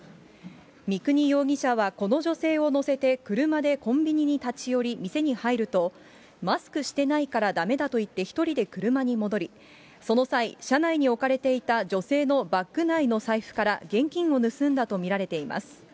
三国容疑者はこの女性を乗せて車でコンビニに立ち寄り、店に入ると、マスクしてないからだめだと言って、１人で車に戻り、その際、車内に置かれていた女性のバッグ内の財布から現金を盗んだと見られています。